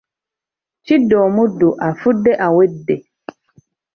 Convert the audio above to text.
Kidde omuddu afudde awedde.